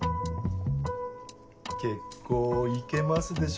結構イケますでしょ